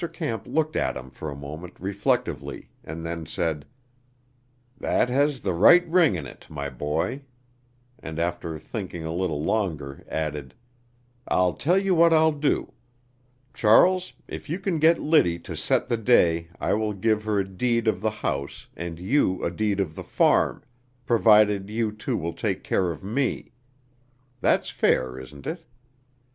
Camp looked at him for a moment reflectively, and then said: "That has the right ring in it, my boy," and after thinking a little longer added: "I'll tell you what I'll do. Charles, if you can get Liddy to set the day I will give her a deed of the house and you a deed of the farm, provided you two will take care of me. That's fair, isn't it?"